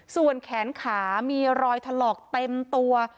ส่วนแขนขามีรอยถลอกเต็มตัว